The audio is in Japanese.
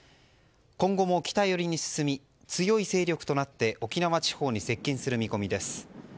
今後も北寄りに進み強い勢力となって沖縄地方に接近する見込みです。